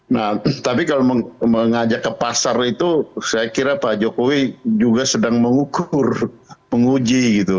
nah tapi kalau mengajak ke pasar itu saya kira pak jokowi juga sedang mengukur menguji gitu